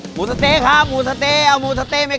หมูสเต๊ะครับหมูสเต๊ะอรรมรอยไม่หรือ